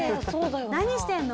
「何してんの？